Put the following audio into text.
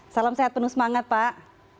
salam sehat penuh semangat pak